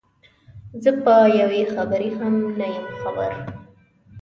زه په یوې خبرې هم نه یم خبر.